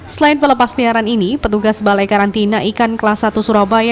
setelah penyiaran ini petugas balai karantina ikan kelas satu surabaya